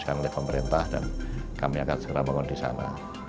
yang oleh pemerintah dan kami akan segera bangun di sana